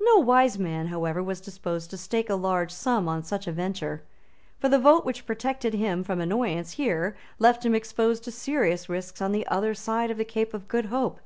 No wise man, however, was disposed to stake a large sum on such a venture. For the vote which protected him from annoyance here left him exposed to serious risks on the other side of the Cape of Good Hope.